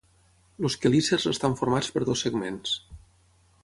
Els quelícers estan formats per dos segments.